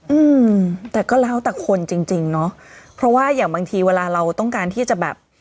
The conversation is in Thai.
อืมแต่ก็แล้วแต่คนจริงจริงเนอะเพราะว่าอย่างบางทีเวลาเราต้องการที่จะแบบ